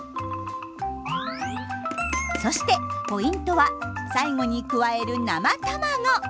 そしてポイントは最後に加える生卵。